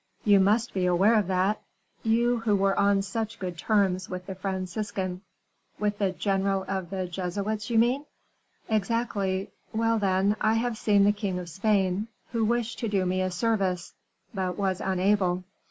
"You must be aware of that you who were on such good terms with the Franciscan." "With the general of the Jesuits, you mean?" "Exactly. Well, then, I have seen the king of Spain, who wished to do me a service, but was unable.